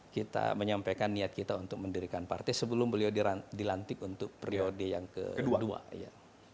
kita menyampaikan niat kita untuk mendirikan partai sebelum beliau dilantik untuk periode yang kedua ya